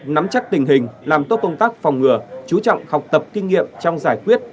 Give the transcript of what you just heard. nắm chắc tình hình làm tốt công tác phòng ngừa chú trọng học tập kinh nghiệm trong giải quyết